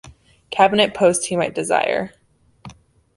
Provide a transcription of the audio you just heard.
Cabinet post he might desire.